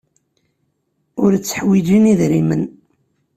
Ur tteḥwijin idrimen.